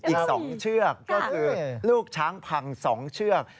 อีก๒เชือกก็คือลูกช้างพัง๒เชือก